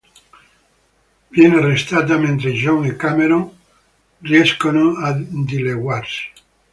Viene arrestata mentre John e Cameron riescono a dileguarsi.